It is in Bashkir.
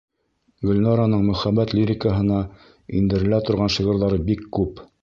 Гөлнараның мөхәббәт лирикаһына индерелә торған шиғырҙары бик күп.